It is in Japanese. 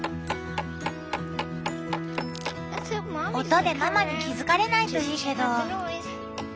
音でママに気付かれないといいけど。